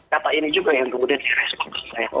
kata ini juga yang kemudian di rescued